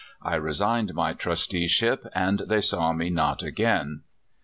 I resigned my trusteeship, and they saw me not again.